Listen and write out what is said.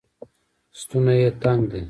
ستونی یې تنګ دی